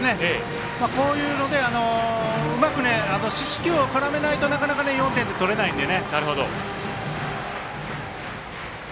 こういうのでうまく四死球を絡めないとなかなか４点って取れないんで。